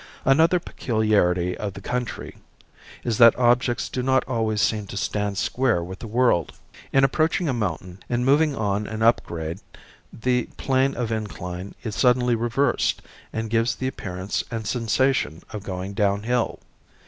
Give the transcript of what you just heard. Another peculiarity of the country is that objects do not always seem to stand square with the world. In approaching a mountain and moving on an up grade the plane of incline is suddenly reversed and gives the appearance and sensation of going downhill.